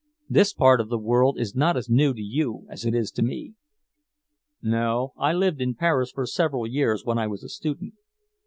This part of the world is not as new to you as it is to me." "No. I lived in Paris for several years when I was a student."